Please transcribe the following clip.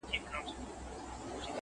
مېږي خور که شرمښکۍ ده که مرغان دي!